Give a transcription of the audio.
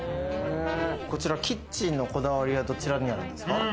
こちら、キッチンのこだわりはどちらにあるんですか？